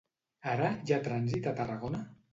Ara hi ha trànsit a Tarragona?